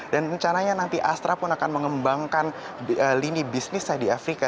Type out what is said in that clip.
dan rencananya nanti astra pun akan mengembangkan lini bisnis di afrika